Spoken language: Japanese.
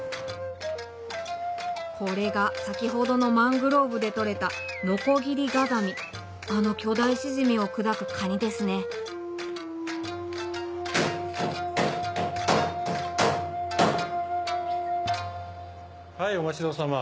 これが先ほどのマングローブで取れたあの巨大シジミを砕くカニですねはいお待ち遠さま。